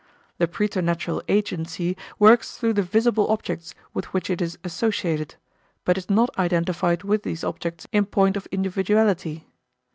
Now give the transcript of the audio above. The preternatural agency works through the visible objects with which it is associated, but is not identified with these objects in point of individuality.